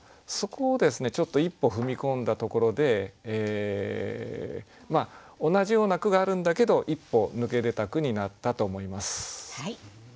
そこをですねちょっと一歩踏み込んだところで同じような句があるんだけど一歩抜け出た句になったと思います。